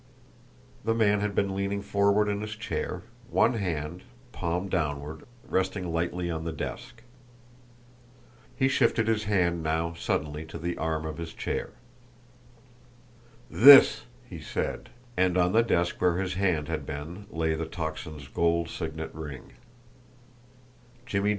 The man had been leaning forward in his chair, one hand, palm downward, resting lightly on the desk. He shifted his hand now suddenly to the arm of his chair. "THIS!" he said, and on the desk where his hand had been lay the Tocsin's gold signet ring.